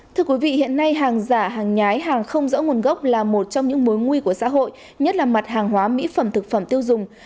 thưa quý vị hiện nay hàng giả hàng nhái hàng không rõ nguồn gốc là một trong những mối nguy của xã hội nhất là mặt hàng hóa mỹ phẩm thực phẩm tiêu dùng